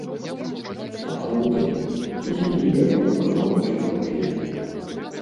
Сапраўды, на зямлі ляжаў кавалачак паперы.